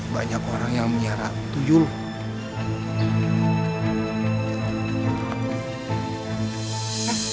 banyak orang yang menyerang tujuh loh